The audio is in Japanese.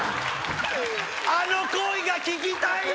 あの声が聞きたいな。